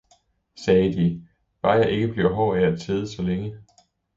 sagde de, bare jeg ikke bliver hård af at sidde så længe.